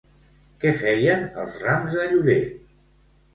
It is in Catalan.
Què feien els rams de llorer?